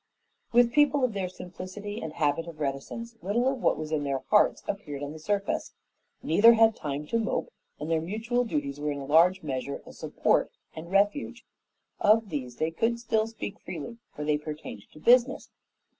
With people of their simplicity and habit of reticence, little of what was in their hearts appeared on the surface. Neither had time to mope, and their mutual duties were in a large measure a support and refuge. Of these they could still speak freely for they pertained to business.